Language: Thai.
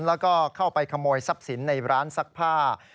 แล้วก็เข้าไปขโมยทรัพย์สินในร้านซักผ้า